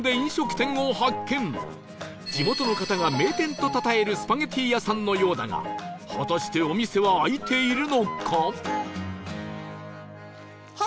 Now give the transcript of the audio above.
地元の方が名店とたたえるスパゲティ屋さんのようだが果たしてお店は開いているのか？